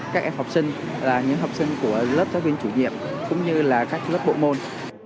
các em học sinh là những học sinh của lớp giáo viên chủ nhiệm cũng như là các lớp bộ môn